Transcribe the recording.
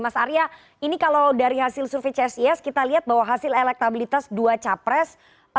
mas arya ini kalau dari hasil survei csis kita lihat bahwa hasil elektabilitas dua capres